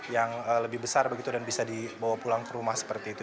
yang lebih besar begitu dan bisa dibawa pulang ke rumah seperti itu